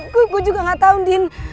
gue juga gak tau ndin